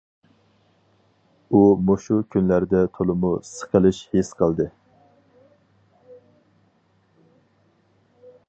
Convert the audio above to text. ئۇ مۇشۇ كۈنلەردە تولىمۇ سىقىلىش ھېس قىلدى.